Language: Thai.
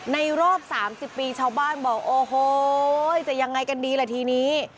ในรอบ๓๐ปีชาวบ้านบอกโอ้โหจะยังไงกันดีล่ะทีนี้